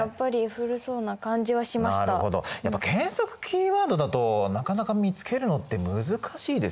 やっぱ検索キーワードだとなかなか見つけるのって難しいですよね。